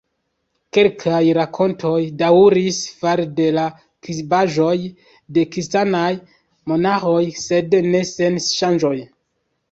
Kelkaj rakontoj daŭris fare de la skribaĵoj de Kristanaj monaĥoj, sed ne sen ŝanĝoj.